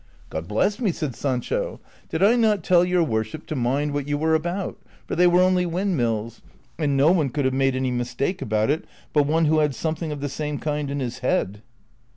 "'God bless me!" said Sancho, ''did I not tell your wor ship to mind what you were al)Out, for they were only wind mills ? and no one could have made any ndstake about it but one who had something of the same kind in his head."